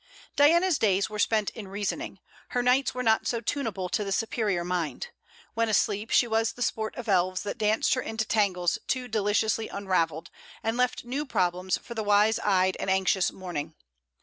Diana's days were spent in reasoning. Her nights were not so tuneable to the superior mind. When asleep she was the sport of elves that danced her into tangles too deliciously unravelled, and left new problems for the wise eyed and anxious morning.